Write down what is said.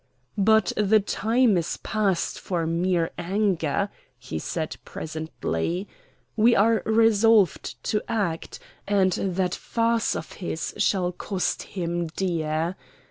"But the time is past for mere anger," he said presently. "We are resolved to act; and that farce of his shall cost him dear.